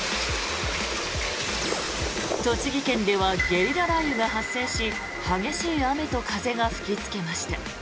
栃木県ではゲリラ雷雨が発生し激しい雨と風が吹きつけました。